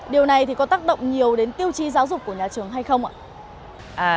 điều này thì có tác động nhiều đến tiêu chí giáo dục của nhà trường hay không ạ